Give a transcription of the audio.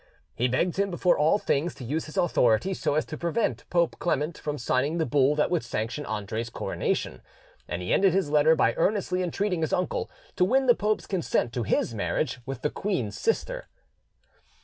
He begged him before all things to use his authority so as to prevent Pope Clement from signing the bull that would sanction Andre's coronation, and he ended his letter by earnestly entreating his uncle to win the pope's consent to his marriage with the queen's sister.